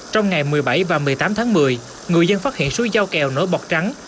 trong ngày một mươi bảy và một mươi tám tháng một mươi người dân phát hiện súi giao kẹo nổi bọt trắng